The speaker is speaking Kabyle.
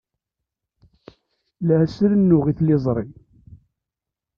La as-rennuɣ i tliẓri.